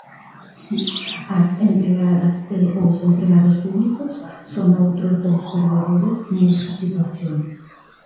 As empregadas e os empregados públicos son outros dos perdedores nesta situación.